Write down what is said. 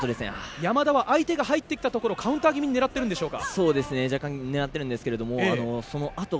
山田は相手が入ってきたところをカウンター気味に狙っているんでしょうか。